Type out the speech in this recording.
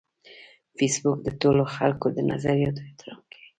فېسبوک د ټولو خلکو د نظریاتو احترام کوي